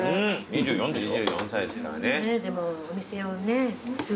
２４歳ですからね。